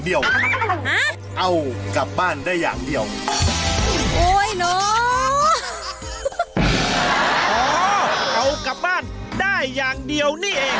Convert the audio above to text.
เอากลับบ้านได้อย่างเดียว